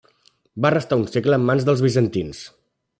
Va restar un segle en mans dels bizantins.